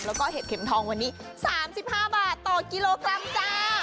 แล้วก็เห็ดเข็มทองวันนี้๓๕บาทต่อกิโลกรัมจ้า